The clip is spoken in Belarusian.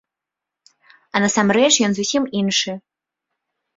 А насамрэч ён зусім іншы.